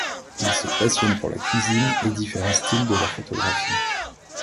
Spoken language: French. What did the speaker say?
Il se passionne pour la cuisine et différents styles de la photographie.